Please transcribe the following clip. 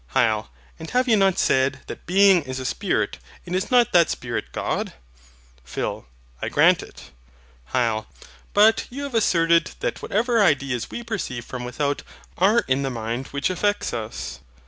HYL. And have you not said that Being is a Spirit, and is not that Spirit God? PHIL. I grant it. HYL. But you have asserted that whatever ideas we perceive from without are in the mind which affects us.